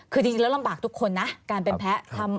คือจริงแล้วลำบากทุกคนนะการเป็นแพ้